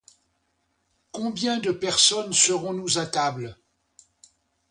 Combien de personnes serons-nous à table ?